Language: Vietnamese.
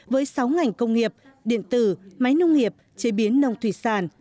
hai nghìn ba mươi với sáu ngành công nghiệp điện tử máy nông nghiệp chế biến nông thủy sản